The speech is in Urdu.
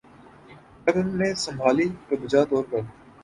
جب انہوں نے سنبھالی تو بجا طور پہ